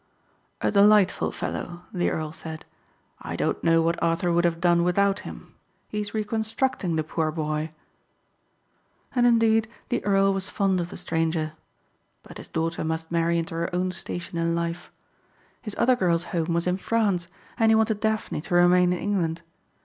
"A delightful fellow," the earl said, "I don't know what Arthur would have done without him. He is reconstructing the poor boy." And indeed the earl was fond of the stranger. But his daughter must marry into her own station in life. His other girl's home was in France and he wanted Daphne to remain in England.